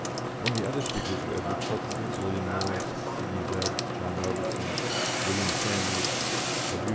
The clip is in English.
Among the other speakers were Edward Carpenter, William Morris, Sidney Webb, John Robertson, William Saunders, W.